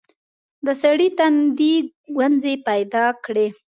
د سړي تندي ګونځې پيداکړې.